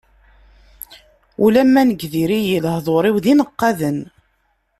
Ulamma nekk diri-yi, lehdur-iw d ineqqaden.